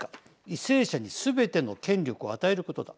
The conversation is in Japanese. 為政者にすべての権力を与えることだ。